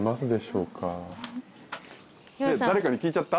誰かに聞いちゃった？